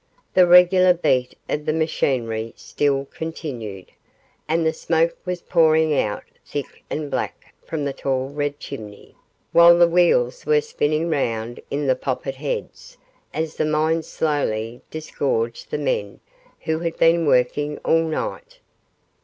The regular beat of the machinery still continued, and the smoke was pouring out thick and black from the tall red chimney, while the wheels were spinning round in the poppet heads as the mine slowly disgorged the men who had been working all night.